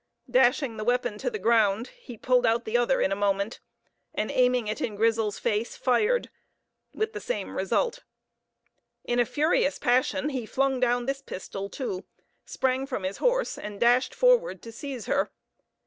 Dashing the weapon to the ground, he pulled out the other in a moment, and aiming it in Grizel's face, fired with the same result. In a furious passion he flung down this pistol, too, sprang from his horse, and dashed forward to seize her.